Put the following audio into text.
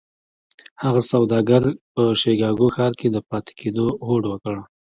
هغه سوداګر په شيکاګو ښار کې د پاتې کېدو هوډ وکړ.